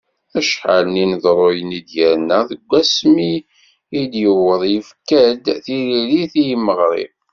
Acḥal n yineḍruyen i d-yerna d wasmi i yuweḍ yefka-d tiririt i yimeɣri.